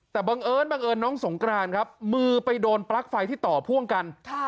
แต่บังเอิญน้องสงกรานมือไปโดนปลั๊กไฟที่ต่อพ่วงกัน